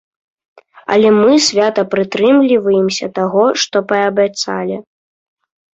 Але мы свята прытрымліваемся таго, што паабяцалі.